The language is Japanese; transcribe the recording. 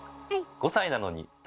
５歳なのにあら！